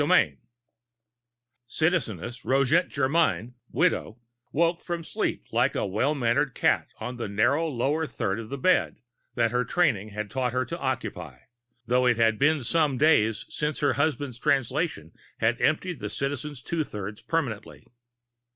XIII Citizeness Roget Germyn, widow, woke from sleep like a well mannered cat on the narrow lower third of the bed that her training had taught her to occupy, though it had been some days since her husband's Translation had emptied the Citizen's two thirds permanently.